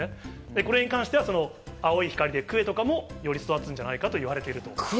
これに関しては青い光でクエとかも、より育つんじゃないかといわれてます。